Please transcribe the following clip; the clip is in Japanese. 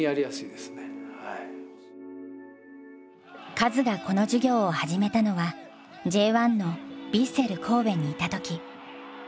カズがこの授業を始めたのはＪ１のヴィッセル神戸にいた時。